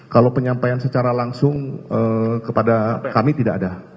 kalau penyampaian secara langsung kepada kami tidak ada